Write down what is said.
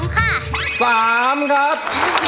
๓ค่ะ๓ครับ